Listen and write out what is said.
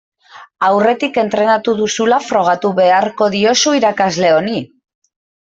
Aurretik entrenatu duzula frogatu beharko diozu irakasle honi.